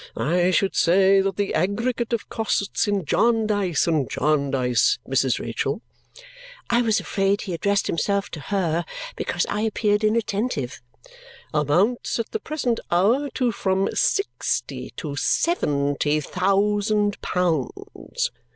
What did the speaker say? I should say that the aggregate of costs in Jarndyce and Jarndyce, Mrs. Rachael" I was afraid he addressed himself to her because I appeared inattentive" amounts at the present hour to from SIX ty to SEVEN ty THOUSAND POUNDS!"